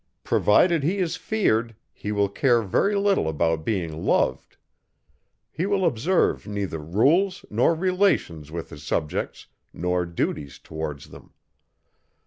Provided he is feared, he will care very little about being loved: he will observe neither rules, nor relations with his subjects, nor duties towards them.